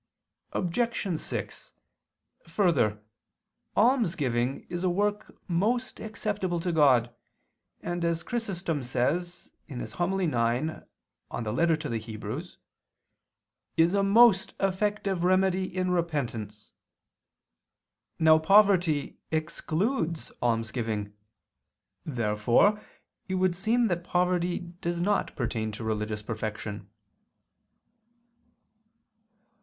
Obj. 6: Further, almsgiving is a work most acceptable to God, and as Chrysostom says (Hom. ix in Ep. ad Hebr.) "is a most effective remedy in repentance." Now poverty excludes almsgiving. Therefore it would seem that poverty does not pertain to religious perfection.